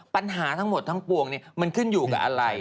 ปัญหาทั้งหมดทั้งปวงมันขึ้นอยู่กับอะไร